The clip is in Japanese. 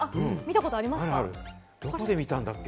どこで見たんだっけ？